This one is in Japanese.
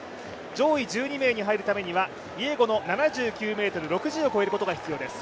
上位１２名に入るためにはイエゴの７９ｍ６０を越えることが必要になります。